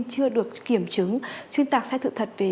cảm ơn quý vị đã theo dõi